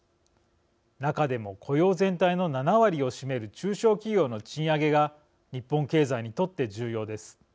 中でも、雇用全体の７割を占める中小企業の賃上げが日本経済にとって重要です。